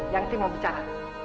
yangtik mau bicara